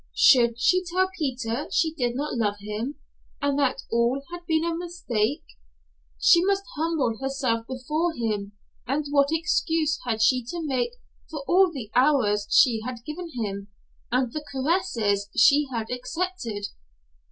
Should she tell Peter she did not love him, and that all had been a mistake? She must humble herself before him, and what excuse had she to make for all the hours she had given him, and the caresses she had accepted?